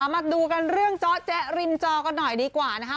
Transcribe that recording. มาดูกันเรื่องเจาะแจ๊ริมจอกันหน่อยดีกว่านะคะ